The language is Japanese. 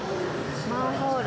マンホール。